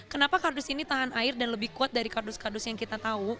kenapa kardus ini tahan air dan lebih kuat dari kardus kardus yang kita tahu